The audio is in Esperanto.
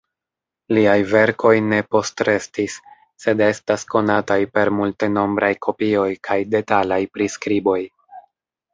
Liaj verkoj ne postrestis, sed estas konataj per multenombraj kopioj kaj detalaj priskriboj.